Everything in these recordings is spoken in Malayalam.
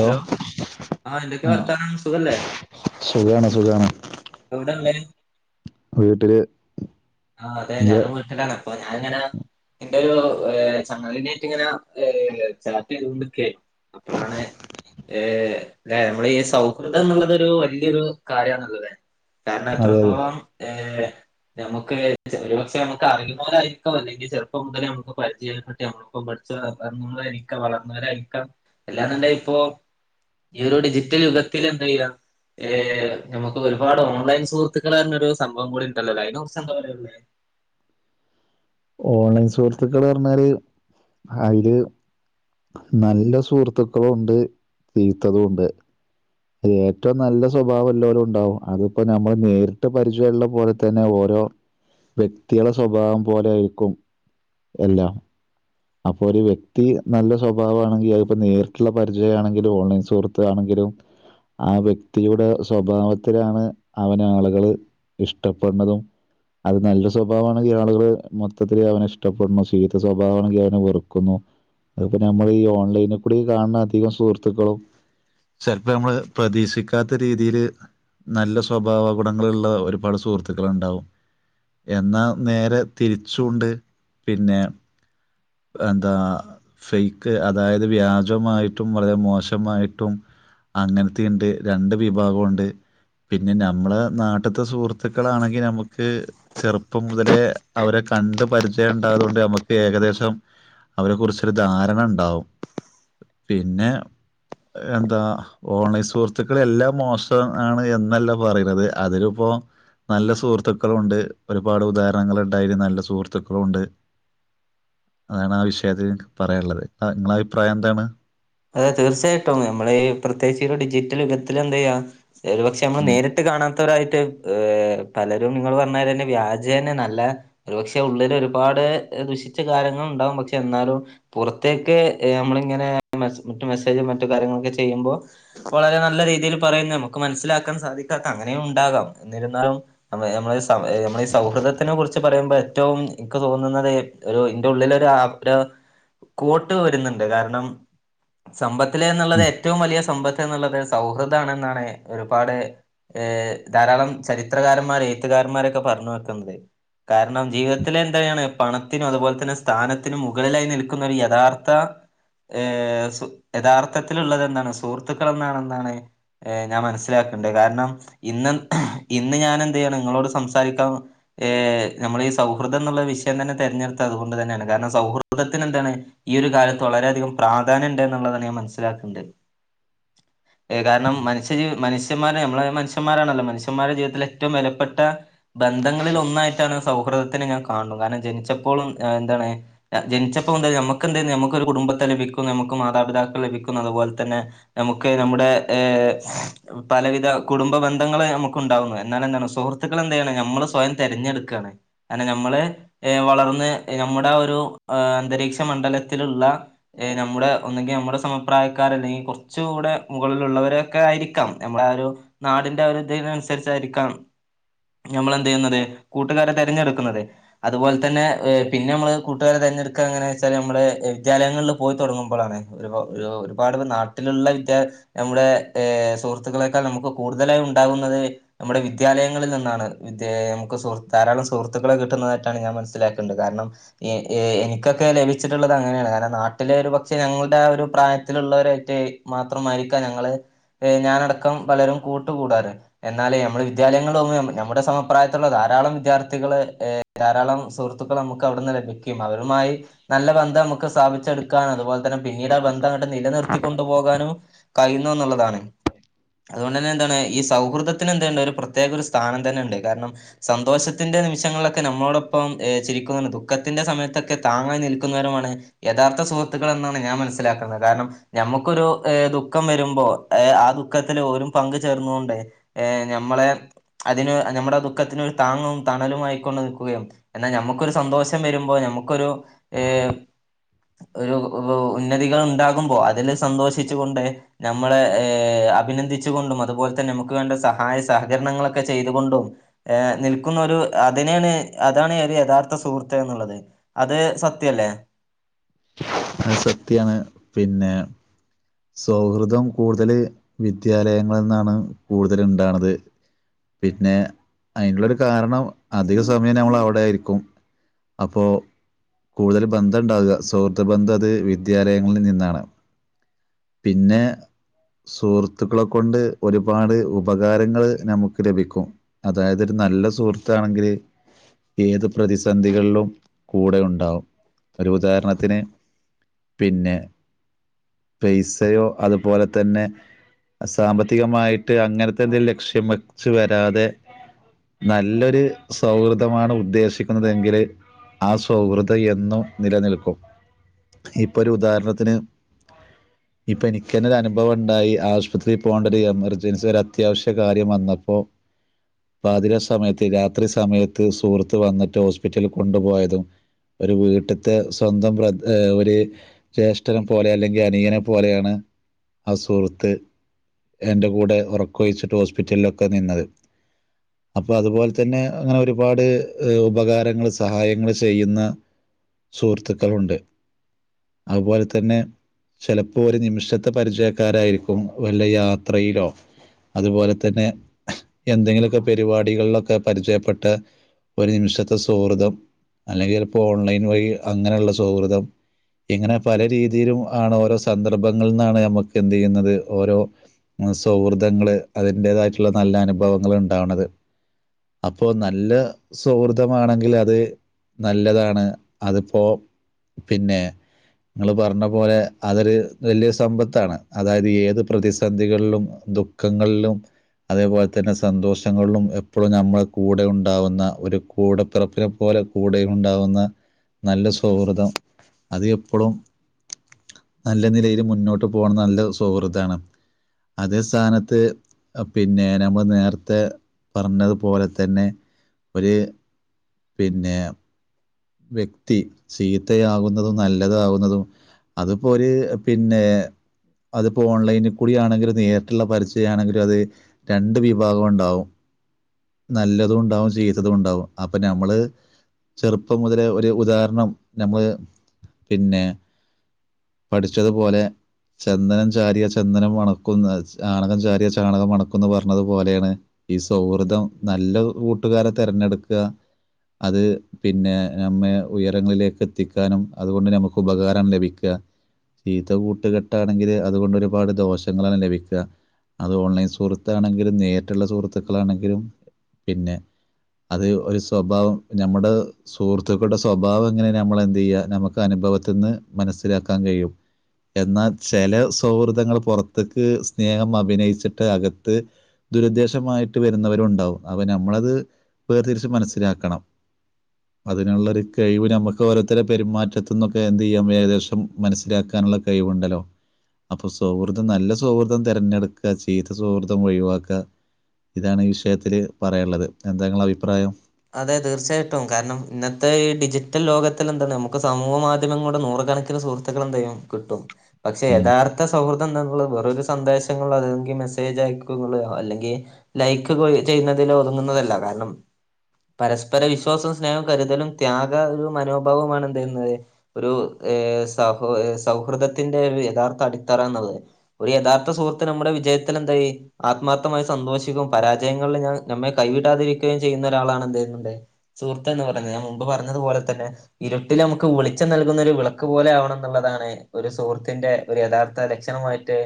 ഹലോ ആ എന്തൊക്കെ വാർത്താനം സുഖല്ലേ സുഖാണ് സുഖമാണ് എവിടെള്ളേ വീട്ടില് ആ അതെ ഇയ്യ് ഞാനും വീട്ടിലാണ് അപ്പൊ ഞാനിങ്ങനെ എ ഒരു എ ചങ്ങലിനായിട്ട ഇങ്ങനെ ചാറ്റ് ചെയ്തൊണ്ടിക്ക അപ്പോഴാണ് ഹ നമ്മൾ സൗഹൃദം എന്നുള്ള ഒരു വലിയൊരു കാര്യണുള്ളത് കാരണം അതെ അതെ എത്രത്തോളം ഏർ ഞമ്മക്ക് ഒരു പക്ഷെ നമുക്ക് അറിയുന്നവരായിരിക്കും അല്ലെങ്കിൽ ചെറപ്പം മുതേമുക്ക് പരിചയപ്പെട്ടിമ്മളിപ്പോഠരിക്കാം വളർന്നവരായിരിക്കാം എല്ലാന്നുണ്ട ഇപ്പൊ ഈ ഒരു ഡിജിറ്റൽ യുഗത്തിൽ എന്താ ചെയ്യുക നമുക്ക് ഒരുപാട് ഓൺലൈൻ സുഹൃത്തുക്കൾ ഒരു സംഭവം കൂടി ഉണ്ടല്ലോല്ലോ അ സംഭംവരള്ളേ ഓൺലൈൻ സുഹൃത്തുക്കൾ പറഞ്ഞാല് അതില് നല്ല സുഹൃത്തുക്കളുണ്ട് ചീത്തതും ഉണ്ട് ഏറ്റവും നല്ല സ്വഭാവം എല്ലരും ഉണ്ടാവും അതിപ്പോ നമ്മൾ നേരിട്ട് പരിചയമള്ള പോലെ തന്നെ ഓരോ വ്യക്തികയുടെ സ്വഭാവം പോലെ ആയിരിക്കും എല്ലാം അപ്പൊ ഒരു വ്യക്തി നല്ല സ്വഭാവമാണെങ്കിൽ അപ്പോ നേരിട്ടുള്ള പരിചയ ആണെങ്കിലും ഓൺലൈൻ സുഹൃത്തു ആണെങ്കിലും ആ വ്യക്തിയുടെ സ്വഭാവത്തിലാണ് അവന ആളുകള് ഇഷ്ടപ്പെടുന്നതും അത് നല്ല സ്വഭാവമാണെങ്കിൽ ആളുകള് മൊത്തത്തില് അവന് ഇഷ്ടപ്പെടണ ചീത്ത സ്വഭാവമാണെങ്കിൽ വേറക്കുന്നു അതിപ്പോ നമ്മൾ ഈ ഓൺലൈനിൽ കൂടി കാണുന്ന അധികം സുഹൃത്തുക്കളും ചിലപ്പോ നമ്മള് പ്രതീക്ഷിക്കാത്ത രീതിയില് നല്ല സ്വഭാവ ഗുണങ്ങളള്ള ഒരുപാട് സുഹൃത്തുക്കൾ ഉണ്ടാവും എന്നാ നേരെ തിരിച്ചൊണ്ട് പിന്നെ എന്താ ഫെയക്ക് അതായത് വ്യാജമായിട്ടും വള മോശമായിട്ടും അങ്ങനത്ത ഉണ്ട് രണ്ട് വിഭാഗം ഉണ്ട് പിന്നെ നമ്മളെ നാട്ടത്തെ സുഹൃത്തുക്കളാണെങ്കിൽ നമുക്ക് ചെറുപ്പം മുതലേ അവരെ കണ്ട് പരിചയം ഉണ്ടായതുക കൊണ്ട് നമുക്ക് ഏകദേശം അവരെ കുറിച്ചൊരു ധാരണ ഉണ്ടാവും പിന്നെ എന്താ ഓൺലൈൻ സുഹൃത്തുക്കൾ എല്ലാം മോശം ആണ് എന്നല്ല പറയുന്നത് അതില ഇപ്പോ നല്ല സുഹൃത്തുക്കളുണ്ട് ഒരുപാട് ഉദാഹരണങ്ങുണ്ടായിന് നല്ല സുഹൃത്തുക്കളുണ്ട് അതാണ് ആ വിഷയത്തിൽക്ക് പറയാനുള്ളത് നിങ്ങള അഭിപ്രായം എന്താണ് അതെ തീർച്ചയായിട്ടും നമ്മെ ഈ പ്രത്യേകി ഒരു ഡിജിറ്റൽ യുഗത്തിൽ എന്ത് ചെയ്യാ ശരി പക്ഷെ നമ്മ ഉം നേരിട്ട് കാണാൻ ത്തായിട്ട് പലരും നിങ്ങൾ പറഞ്ഞൽ തന്നെ വ്യാജം തന്നെ നല്ല ഒരുപക്ഷെ ഉള്ളിൽ ഒരുപാട് ദുശിച്ച കാര്യങ്ങൾ ഉണ്ടാവും പക്ഷെ എന്നാലും പുറത്തേക്ക് നമ്മള ഇങ്ങനെ മറ്റു മെസ്സേജും മറ്റു കാര്യങ്ങളൊക്കെ ചെയ്യുമ്പോ വളരെ നല്ല രീതിയിൽ പറയുന്നത് നമുക്ക് മനസ്സിലാക്കാൻ സാധിക്കാത്തെ അങ്ങനെയും ഉണ്ടാകാം എന്നിരാലും നമ്മളെ നമ്മള ഈ സൗഹൃദത്തിനെ കുറിച്ച് പറയുമ്പോ ഏറ്റവും എനിക്ക് തോന്നുന്നത് ഒരു ഇൻ്റെ ഉള്ളിൽ ഒരു കോട്ട് വരുന്നുണ്ട് കാരണം സമ്പത്തി എന്നുള്ളത് ഉം. ഏറ്റവും വലിയ സമ്പത്ത് എന്നുള്ളത് സൗഹൃദണെന്നാണ് ഒരുപാട് ഏ ധാരാളം ചരിത്രകാരന്മാർ എഴുത്തുകാരന്മാരൊക്കെ പറഞ്ഞു വെക്കുന്നത് കാരണം ജീവിതത്തിലെ എന്താണ് പണത്തിനും അതുപോലെ തന്നെ സ്ഥാനത്തിനും മുകളിലായി നിൽക്കുന്ന ഒരു യഥാർത്ഥ ഹ യഥാർത്ഥത്തിലുള്ളത് എന്താണ് സുഹൃത്തുക്കൾ എന്താണെന്നാണ് ഞാൻ മനസ്സിലാക്കേണ്ടത് കാരണം ഇന്ന് ഇന്ന് ഞാൻ എന്തെയാണ് നിങ്ങളോട് സംസാരിക്കാം ഏഹ് നമ്മൾ ഈ സൗഹൃദം എന്നുള്ള വിഷയം തന്നെ തിരഞ്ഞെടുത്ത അതുകൊണ്ട് തന്നെയാണ് കാരണം സൗഹൃദത്തിന് എന്താണ് ഈ ഒരു കാലത്ത് വളരെയധികം പ്രാധാന്യം ഉണ്ട് എന്നുള്ളതാണ് ഞാൻ മനസ്സിലാക്കേണ്ടത് കാരണം മനുഷ്യ മനുഷ്യന്മാരെ നമ്മളെ മനുഷ്യന്മാരാണല്ലോ മനുഷ്യന്മാടെ ജീവിതത്തില ഏറ്റവും വിലപ്പെട്ട ബന്ധങ്ങളിൽ ഒന്നായിട്ടാണ് സൗഹൃദത്തിനെ ഞാൻ കാണും കാരണം ജനിച്ചപ്പോഴും എന്താണ് ജനിച്ചപ്പോൾ എന്തായ നമുക്ക് എന്ത നമുക്കൊ ഒരു കുടുംബത്തെ ലഭിക്കും നമുക്ക് മാതാപിതാക്കൾ ലഭിക്കുന്നു അതുപോലെ തന്നെ നമുക്ക് നമ്മുടെ ഏ പലവിധ കുടുംബ ബന്ധങ്ങള് നമുക്ക് ഉണ്ടാവുന്നു എന്നാല എന്താണ് സുഹൃത്തുക്കൾ എന്താണ് നമ്മള് സ്വയം തിരഞ്ഞെടുക്കുകയാണ് കാരണം നമ്മള് ഏ വളർന്ന് നമ്മുടെ ഒരു അന്തരീക്ഷ മണ്ഡലത്തിലുള്ള നമ്മുടെ ഒന്നങ്കിൽ നമ്മുടെ സമപ്രായക്കാർ അല്ലെങ്കിൽ കുറച്ച കൂടെ മുകളിലുള്ളവരൊക്കെ ആയിരിക്കാം നമ്മുടെ ആ ഒരു നാടിന്റെ ഒരു ഇതിന അനുസരിച്ചായിരിക്കാം നമ്മൾ എന്ത് ചെയ്യുന്നത് കൂട്ടുകാരെ തിരഞ്ഞെടുക്കുന്നത് അതുപോലെ തന്നെ പിന്നെ നമ്മള് കൂട്ടുകാരെ തിരഞ്ഞെടുക്കാ എങ്ങനാ വെച്ചാൽ നമ്മള് വിദ്യാലയങ്ങളിൽ പോയി തുടങ്ങുമ്പോളണ് ഒരു ഒരുപാട് നാട്ടിലുള്ള വിദ്യ നമ്മുടെ സുഹൃത്തുക്കളെക്കാൾ നമുക്ക് കൂടുതലായി ഉണ്ടാകുന്നത് നമ്മുടെ വിദ്യാലയങ്ങളിൽ നിന്നാണ് വിദ്യ നമു സ ധാരാളം സുഹൃത്തുക്കളെ കിട്ടുന്നതായിട്ടാണ് ഞാൻ മനസ്സിലാക്കേണ്ടത് കാരണം എനിക്കൊക്കെ ലഭിച്ചിട്ടുള്ളത് അങ്ങനെയാണ് കാരണം മട്ട ഒരു പക്ഷെ ഞങ്ങളുടെ ആ ഒരു പ്രായത്തിലുള്ളവരറ്റെ മാത്രമായിരിക്കാം ഞങ്ങള് ഞാനടക്കം പലരും കൂട്ട കൂടാറ് എന്നാലേ നമ്മള് വിദ്യാലയങ്ങളൾ നമ്മുടെ സമപ്രായത്തിലുള്ള ധാരാളം വിദ്യാർത്ഥികൾ ധാരാളം സുഹൃത്തുക്കൾ നമുക്ക് അവിടുന്ന് ലഭിക്കും അവരുമായി നല്ല ബന്ധം സ്ഥാപിച്ചെടുത്ത് കാന അതുപോല പിന്നീട് ബന്ധങ്ങട്ട് നിലനിർത്ത ത്തി കൊണ്ടു പോകാനും കഴിയുന്നു എന്നുള്ളതാണ്. അതുകൊണ്ടന്നെ എന്താണ് ഈ സൗഹൃദത്തിന് എന്തുണ്ട് ഒരു പ്രത്യേക ഒരു സ്ഥാനം തന്നെ ഉണ്ട്. കാരണം സന്തോഷത്തിന്റെ നിമിങ്ങളൊക്കെ നമ്മളോടൊപ്പം ചിരിക്കുന്ന ദുഃഖത്തിന്റെ സമയത്തൊക്കെ താങ്ങായി നിൽക്കുന്നവരുമാണ് യഥാർത്ഥ സുഹൃ ത്തുക്കൾ എന്നാണ് ഞാൻ മനസ്സിലാക്കുന്നത്. കാരണം നമ്മുക്കൊരു ഏ ദുഃഖം വരുമ്പോ ആ ദുഃഖത്തിൽ ഓരും പങ്ക് ചേർന്ന് കൊണ്ടെഏർ് ഞമ്മളെ അതിന് അന്നു നമ്മുടെ ദുഃഖത്തിന് ഒരു താങ്ങും തണലും ആയിക്കൊണ്ട് നിക്കുകയും എന്നാൽ നമ്മുക്കൊരു സന്തോഷം വരുമ്പോ ഞമ്മക്കൊരു ഏ് ഒരു ഉന്നതികൾ ഉണ്ടാകുമ്പോ അതിൽ സന്തോഷിച്ചുകൊണ്ട് നമ്മളെ ഏർ അഭിനന്ദിച്ചു കൊണ്ടും അതുപോലെ തന്നെ നമുക്ക് വേണ്ട സഹായ സഹകരണങ്ങളൊക്കെ ചെയ്തുകൊണ്ടും ഏർ നിൽക്കുന്ന ഒരു അതിനെയാണ് അതാണ് ഒരു യഥാർത്ഥ സുഹൃത്ത് എന്നുള്ളത് അത് സത്യല്ലേ. ആ സത്യാണ്. പിന്നെ സൗഹൃദം കൂടുതൽ വിദ്യാലയങ്ങളിൽ നിന്നാണ് കൂടുതൽ ഉണ്ടാണത്. പിന്നെ അതിനുള്ളൊരു കാരണം അധിക സമയം നമ്മൾ അവിടെ ആയിരിക്കും അപ്പോ കൂടുതൽ ബന്ധം ഉണ്ടാവാ സൗഹൃദ ബന്ധം അത് വിദ്യാലയങ്ങളിൽ നിന്നാണ്. പിന്നെ സുഹൃത്തുക്കളെ കൊണ്ട് ഒരുപാട് ഉപകാരങ്ങൾ നമുക്ക് ലഭിക്കും. അതായത് ഒരു നല്ല സുഹൃത്താണെങ്കില് ഏത് പ്രതിസന്ധികളിലും കൂടെ ഉണ്ടാവും. ഒരു ഉദാഹരണത്തിന്, പിന്നെ പൈസയോ അതുപോലെ തന്നെ സാമ്പത്തികമായിട്ട് അങ്ങനത്തെ എന്തെങ്കിലും ലക്ഷ്യം വെച്ച് വരാതെ നല്ലൊരു സൗഹൃദമാണ് ഉദ്ദേശിക്കുന്നതെങ്കില് ആ സൗഹൃദം എന്നും നിലനിൽക്കും. ഇപ്പൊ ഒരു ഉദാഹരണത്തിന് ഇപ്പൊ എനിക്ക് തന്നെ ഒരു അനുഭവം ഉണ്ടായി ആശുപത്രിൽ പോകേണ്ട ഒരു എമർജൻസി ഒരു അത്യാവശ്യ കാര്യം വന്നപ്പോ അതിര സമയത്ത് രാത്രി സമയത്ത് സുഹൃത്ത് വന്നിട്ട് ഹോസ്പിറ്റലിൽ കൊണ്ടുപോയതും ഒരു വീട്ട്ത്തെ സ്വന്തം ബ്രദ ഒരു ജ്യേഷ്ഠനെ പോലെ അല്ലെങ്കിൽ അനിയനെ പോലെയാണ്. ആ സുഹൃത്ത് എൻ്റെ കൂടെ ഉറക്കൊഴിച്ചിട്ട് ഹോസ്പിറ്റലിലൊക്കെ നിന്നത് അപ്പൊ അതുപോലെ തന്നെ. അങ്ങനെ ഒരുപാട് ഉപകാരങ്ങള് സഹായങ്ങൾ ചെയ്യുന്ന സുഹൃത്തുക്കളുണ്ട്. അതുപോലെ തന്നെ ചെല പ്പോ ഒരു നിമിഷത്തെ പരിചയക്കാരായിരിക്കും വല്ല യാത്രയിലോ അതുപോലെ തന്നെ എന്തെങ്കിലുമൊക്കെ പരിപാടികളിലൊക്കെ പരിചയപ്പെട്ട ഒരു നിമിഷത്തെ സൗഹൃതം അല്ലെങ്കിൽ ചിലപ്പോ ഓൺലൈൻ വഴി അങ്ങനെയുള്ള സൗഹൃദം ഇങ്ങനെ പല രീതിയിലും ആണ്. ഓരോ സൗ സന്ദർഭങ്ങളിൽ നിന്നാണ് നമുക്ക് എന്ത് ചെയ്യുന്നത് ഓരോ സൗഹൃദങ്ങള് അതിൻ്റെതായിട്ടുള്ള നല്ല അനുഭവങ്ങൾ ഉണ്ടാവുണത്. അപ്പോ നല്ല സൗഹൃദമാണെങ്കിൽ അത് നല്ലതാണ്. അതിപ്പോ പിന്നെ നിങ്ങൾ പറഞ്ഞ പോലെ അതൊരു വലിയ സമ്പത്താണ്. അതായത് ഏത് പ്രതിസന്ധികളിലും ദുഃഖങ്ങളിലും അതേപോലെ തന്നെ സന്തോഷങ്ങളിലും എപ്പളും ഞമ്മളെ കൂടെ ഉണ്ടാവുന്ന ഒരു കൂടെപ്പിറപ്പിനെ പോലെ കൂടെ ഉണ്ടാവുന്ന നല്ല സൗഹൃദം അത് എപ്പളും നല്ല നിലയിൽ മുന്നോട്ട് പോണ നല്ല സൗഹൃതാണ്. അതേ സ്ഥാനത്ത് പിന്നെ നമ്മൾ നേരത്തെ പറഞ്ഞതുപോലെ തന്നെ ഒരു പിന്നെ വ്യക്തി ചീത്തയാകുന്നതും നല്ലതാകുന്നതും അതിപ്പോ ഒര് പിന്നെ അതിപ്പോ ഓൺലൈനിൽ കൂടി ആണെങ്കിലും നേരിട്ടുള്ള പരിചയാണെങ്കിലും അത് രണ്ട് വിഭാഗം ഉണ്ടാവും. നല്ലതും ഉണ്ടാവും. ചീത്തതുംണ്ടാവും. അപ്പൊ നമ്മള് ചെറുപ്പം മുതലേ ഒരു ഉദാഹരണം നമ്മള് പിന്നെ പഠിച്ചതുപോലെ ചന്ദനംചാരിയ ചന്ദനം മണക്കുന്ന ചാണകം ചാരിയ ചാണകം മണക്കുംന്ന് പറഞ്ഞതു പോലെയാണ് ഈ സൗഹൃദം. നല്ല കൂട്ടുകാരെ തെരഞ്ഞെടുക്ക അത് പിന്നെ നമ്മെ ഉയരങ്ങളിലേക്കെത്തിക്കാനും അതുകൊണ്ട് നമുക്കുപകാരം ലഭിക്ക ചീത്ത കൂട്ടുകെട്ടാണെങ്കില് അതുകൊണ്ടൊരുപാട് ദോഷങ്ങളാണ് ലഭിക്ക. അത് ഓൺലൈൻ സുഹൃത്താണെങ്കിലും, നേരിട്ട്ള്ള സുഹൃത്തുക്കളാണെങ്കിലും പിന്നെ അത് ഒരു സ്വഭാവം നമ്മുടെ സുഹൃത്തുക്കളുടെ സ്വഭാവെങ്ങനെന്ന് നമ്മളെന്ത് ചെയ്യുക നമുക്കനുഭവത്തിന്ന് മനസ്സിലാക്കാൻ കഴിയും. എന്നാൽ ചില സൗഹൃദങ്ങൾ പുറത്തേക്ക് സ്നേഹം അഭിനയിച്ചിട്ട് അകത്ത് ദുരുദ്ദേശമായിട്ട് വരുന്നവരുണ്ടാവും. അപ്പ നമ്മളത് വേർതിരിച്ച് മനസ്സിലാക്കണം അതിനുള്ളൊരു കഴിവ് നമുക്ക് ഓരോരുത്തരുടെ പെരുമാറ്റത്തന്നൊക്കെ എന്ത് ചെയ്യാം ഏകദേശം മനസ്സിലാക്കാനുള്ള കഴിവുണ്ടല്ലോ അപ്പൊ സൗഹൃദം നല്ല സൗഹൃദം തിരഞ്ഞെടുക്കുക ചീത്ത സൗഹൃദം ഒഴിവാക്കുക ഇതാണ് ഈ വിഷയത്തില്. പറയാനുള്ളത് എന്താ നിങ്ങടെ അഭിപ്രായം. അതെ തീർച്ചയായിട്ടും കാരണം ഇന്നത്തെ ഈ ഡിജിറ്റൽ ലോകത്തിലെന്താണ് നമുക്ക് സമൂഹ മാധ്യമങ്ങളൂടെ നൂറുകണക്കിന് സുഹൃത്തുക്കള് എന്തായാലും കിട്ടും പക്ഷെ യഥാർത്ഥ സൗഹൃദം എന്താന്ന് വേറൊരു സന്ദേശങ്ങളോ അല്ലെങ്കിൽ മെസ്സേജയക്കോന്നുള്ള അല്ലെങ്കിൽ ലൈക്ക് ചെയ്യുന്നതിലോ ഒതുങ്ങുന്നതല്ല കാരണം. പരസ്പര വിശ്വാസോം സ്നേഹോം കരുതലും ത്യാഗാകുന്ന മനോഭാവവുമാണ് എന്ത്‌ ചെയ്യുന്നത് ഒരു ഏ സൗഹ എ സൗഹൃദത്തിന്റെ യഥാർത്ഥ അടിത്തറന്നുള്ളത്. ഒരു യഥാർത്ഥ സുഹൃത്ത് നമ്മുടെ വിജയത്തിലെന്തായി ആത്മാർത്ഥമായി സന്തോഷിക്കുകയും പരാജയങ്ങളിൽ ഞ നമ്മെ കൈവിടാതിരിക്കുകയും ചെയ്യു ന്നൊരാളാണ് എന്ത് നമ്മുടെ സുഹൃത്തെന്ന് പറയുന്നെ ഞാൻ മുമ്പ് പറഞ്ഞതുപോലെ തന്നെ ഇരുട്ടിൽ നമുക്ക് വെളിച്ചം നൽകുന്ന ഒരു വിളക്ക് പോലെ ആവണംന്നുള്ളതാണ് ഒരു സുഹൃത്തിന്റെ ഒരു യഥാർത്ഥ ലക്ഷണമായിട്ട്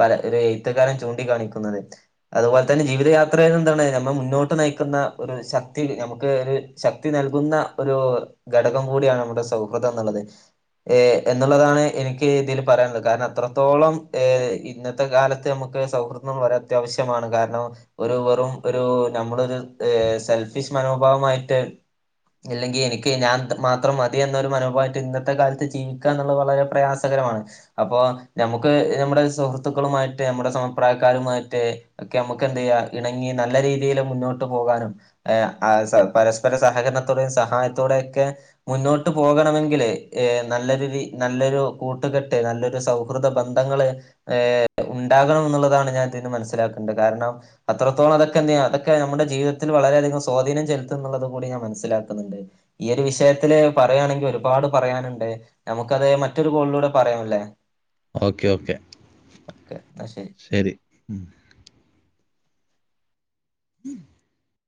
പല ഒരു എഴുത്തുകാരൻ ചൂണ്ടാണിക്കുന്നത്. അതുപോലെ തന്നെ ജീവിതയാത്രയിലെന്താണ് നമ്മളെ മുന്നോട്ട് നയിക്കുന്ന ഒരു ശക്തി നമുക്ക് ഒരു ശക്തി നൽകുന്ന ഒരു ഘടകം കൂടിയാണ് നമ്മുടെ സൗഹൃദം ഏ എന്നുള്ളത് എനിക്ക് ഇതിൽ പറയാനുള്ളത് കാരണം അത്രത്തോളം ഏ ഇന്നത്തെ കാലത്ത് നമുക്ക് സൗഹൃദം വളരെ അത്യാവശ്യമാണ് കാരണം ഒരു വെറും ഒരു നമ്മളൊരു- ഏ സെൽഫിഷ് മനോഭാവമായിട്ട് ഇല്ലെങ്കി എനിക്ക് ഞാൻ മാത്രം മതിയെന്നൊരു മനോഭാവമായിട്ട് ഇന്നത്തെ കാലത്ത് ജീവിക്കാന്നുള്ളത് വളരെ പ്രയാസകരമാണ് അപ്പോ നമ്മുക്ക് നമ്മുടെ സുഹൃത്തുക്കളുമായിട്ട് നമ്മുടെ സമപ്രായക്കാരുമായിട്ട് ഒക്കെ നമുക്കെന്ത് ചെയ്യാം ഇണങ്ങി നല്ല രീതിയിൽ മുന്നോ പോകാനും പരസ്പര സഹകരണത്തോടെയും സഹായത്തോടെയൊക്കെ മുന്നോട്ട് പോകണമെങ്കിലെ നല്ലൊരു നല്ലൊരു കൂട്ടുകെട്ട് നല്ലൊരു സൗഹൃദ ബന്ധങ്ങൾ ഉണ്ടാകണം എന്നുള്ളതാണ് ഞാൻ ഇതിൽ നിന്ന് മനസ്സിലാക്കേണ്ടത്. കാരണം അത്രത്തോളം അതൊക്കെ അതൊക്കെ നമ്മുടെ ജീവിതത്തിൽ വളരെയധികം സ്വാധീനം ചെലുത്തുന്നുള്ളത് കൂടി ഞാൻ മനസ്സിലാക്കുന്നുണ്ട്. ഈ ഒരു വിഷയത്തില് പറയുകയാണെങ്കിൽ ഒരുപാട് പറയാനുണ്ട് നമുക്കത് മറ്റൊരു കോളിലൂടെ പറയാംല്ലേ. ഓക്കെ ഓക്കെ ശരി ഉം. ഉം.